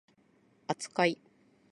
扱い